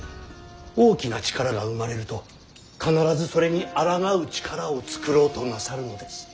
大きな力が生まれると必ずそれにあらがう力を作ろうとなさるのです。